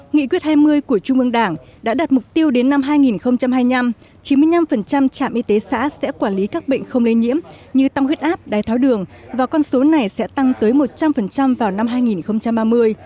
nghị quyết hai mươi của trung ương đảng đã đặt mục tiêu đến năm hai nghìn hai mươi năm chín mươi năm trạm y tế xã sẽ quản lý các bệnh không lây nhiễm như tăng huyết áp đái tháo đường và con số này sẽ tăng tới một trăm linh vào năm hai nghìn ba mươi